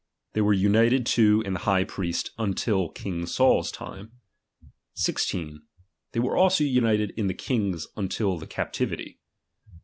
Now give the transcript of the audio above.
They were united too in the high priest until king Saul's time. 16. They were abo united in the kings until the captivity.